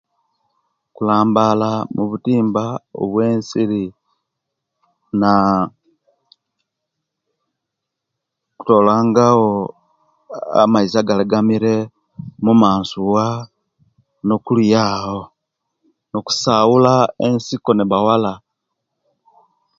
Kulambala mubutimba bwensiri naaa kutolamgawo amaizi agalegamire mumansuwa no kuluya awo no kusabula ensiko neba wala